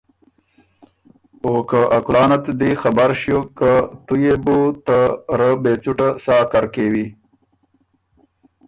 او که ا کُلانت دی خبر ݭیوک که تُو يې بو ته رۀ بې څُټه سا کر کېوی۔